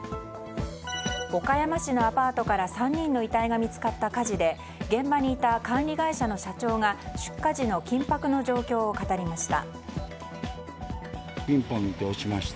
岡山市のアパートから３人の遺体が見つかった火事で現場にいた管理会社の社長が出火時の緊迫の状況を語りました。